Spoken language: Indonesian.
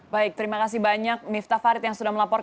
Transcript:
baik terima kasih banyak miftah farid yang sudah melaporkan